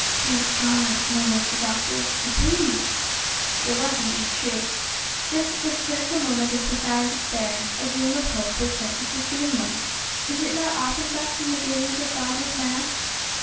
"Thank God!" murmured the doctor, "a breeze!" It was indeed true. Just at this critical moment of profound, despair, a gleam of hope was sent to sustain them! Is it not often thus in the dealings of God with man?